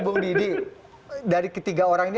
bung didi dari ketiga orang ini